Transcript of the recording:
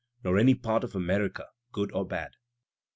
Not any part of America good or bad.